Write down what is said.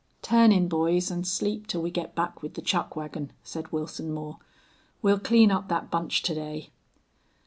"Turn in, boys, and sleep till we get back with the chuck wagon," said Wilson Moore. "We'll clean up that bunch to day."